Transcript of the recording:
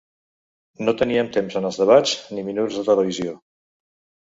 No teníem temps en els debats ni minuts de televisió.